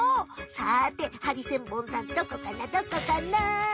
さてハリセンボンさんどこかなどこかな？